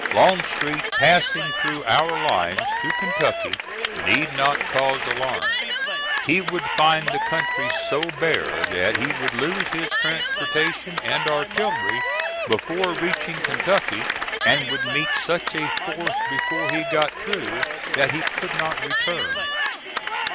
Longstreet passing through our lines to Kentucky need not cause alarm. He would find the country so bare that he would lose his transportation and artillery before reaching Kentucky, and would meet such a force before he got through, that he could not return."